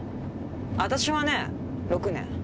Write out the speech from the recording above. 私はね６年。